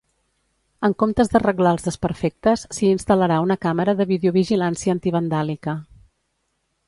En comptes d'arreglar els desperfectes, s'hi instal·larà una càmera de videovigilància antivandàlica.